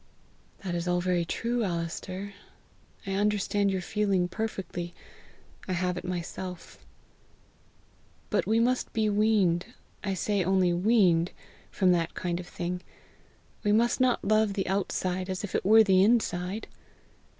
"That is all very true, Alister. I understand your feeling perfectly; I have it myself. But we must be weaned, I say only weaned, from that kind of thing; we must not love the outside as if it were the inside!